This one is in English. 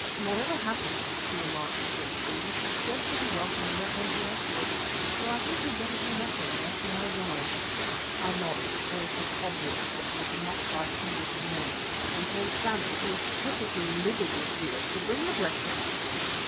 "Whatever happened," he remarked sagely, "we should scarcely be welcome in their country afterwards, so I think we had better do nothing unless we are obliged." I nodded, for it was obvious that we could not fight hundreds of men, and told Sammy, who was perfectly livid with fear, to bring the breakfast.